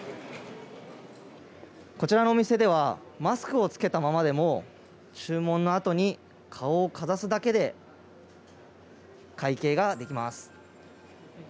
こちらのお店ではマスクを着けたままでも注文のあとに顔にかざすだけで会計ができます。